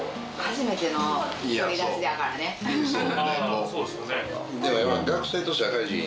ああそうですよね。